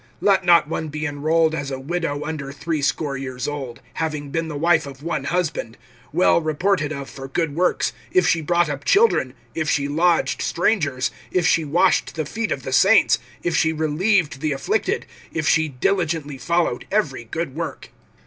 (9)Let not one be enrolled as a widow under threescore years old, having been the wife of one husband; (10)well reported of for good works; if she brought up children, if she lodged strangers, if she washed the feet of the saints, if she relieved the afflicted, if she diligently followed every good work.